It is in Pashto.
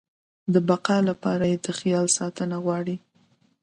د بقا لپاره يې د خیال ساتنه غواړي.